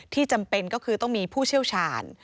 จำเป็นก็คือต้องมีผู้เชี่ยวชาญ